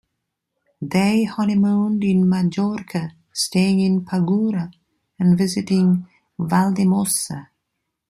They honeymooned in Majorca, staying in Paguera and visiting Valldemossa.